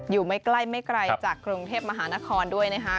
อยู่ไม่ไกลจากกรุงเทพฯมหานครด้วยนะครับ